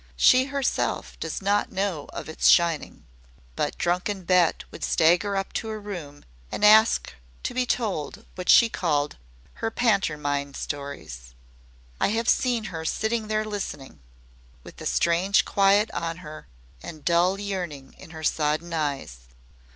She herself does not know of its shining. But Drunken Bet would stagger up to her room and ask to be told what she called her 'pantermine' stories. I have seen her there sitting listening listening with strange quiet on her and dull yearning in her sodden eyes.